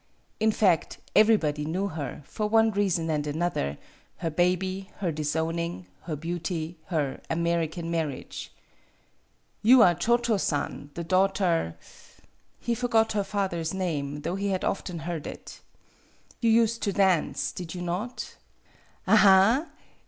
In fact, everybody knew her, for one reason and another her baby, her disowning, her beauty, her "American" marriage. "You MADAME BUTTERFLY 47 areO Cho Cho San, the daughter " he for got her father's name, though he had often heard it. "You used to dance, did you not?" "Aha!